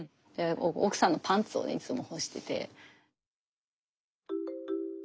奥さんのパンツをいつも干してて。